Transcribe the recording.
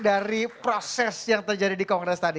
dari proses yang terjadi di kongres tadi